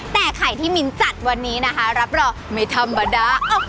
แต่ไข่ที่มิ้นจัดวันนี้นะคะรับรองไม่ธรรมดา